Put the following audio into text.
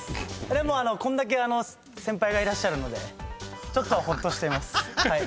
でもこんだけ先輩がいらっしゃるのでちょっとほっとしています。